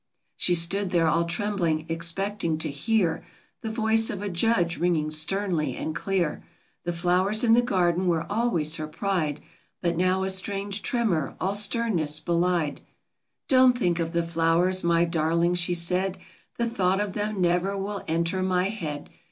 She stood there, all trembling, expecting to hear The voice of a judge ringing sternly and clear; The flowers in the garden were always her pride, But now a strange tremor all sternness belied. 44 Don't think of the flowers, my darling," she said, 44 The thought of them never will enter my head.